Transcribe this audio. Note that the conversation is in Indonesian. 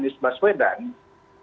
dari partai pengusung anis baswedan